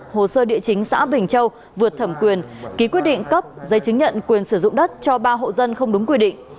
hồ sơ địa chính xã bình châu vượt thẩm quyền ký quyết định cấp giấy chứng nhận quyền sử dụng đất cho ba hộ dân không đúng quy định